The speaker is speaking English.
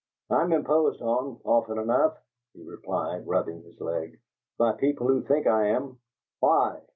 "I'm imposed on, often enough," he replied, rubbing his leg, "by people who think I am! Why?"